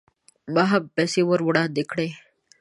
ما هم پیسې ور وړاندې کړې.